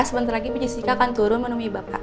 sebentar lagi jessica akan turun menemui bapak